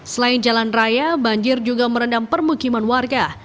selain jalan raya banjir juga merendam permukiman warga